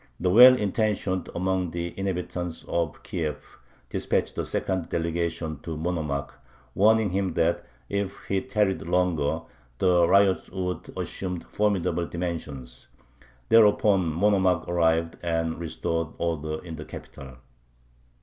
The well intentioned among the inhabitants of Kiev dispatched a second delegation to Monomakh, warning him that, if he tarried longer, the riots would assume formidable dimensions. Thereupon Monomakh arrived and restored order in the capital.